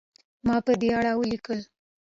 ما په دې اړه ولیکل.